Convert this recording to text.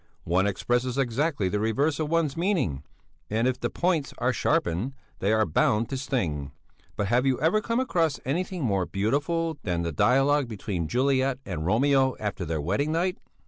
One expresses exactly the reverse of one's meaning, and if the points are sharpened, they are bound to sting. But have you ever come across anything more beautiful than the dialogue between Juliet and Romeo after their wedding night?"